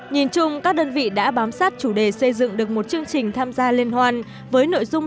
nhìn chung các đơn vị đã bám sát chủ đề xây dựng được một chương trình tham gia liên hoan với nội dung